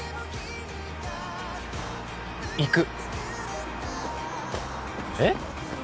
行くえっ？